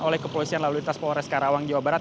oleh kepolisian lalu lintas polres karawang jawa barat